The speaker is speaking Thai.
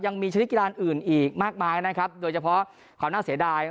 ยังมีชนิดกีฬานอื่นอีกมากมายนะครับโดยเฉพาะความน่าเสียดาย